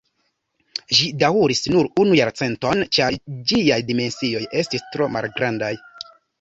Ĝi daŭris nur unu jarcenton, ĉar ĝiaj dimensioj estis tro malgrandaj.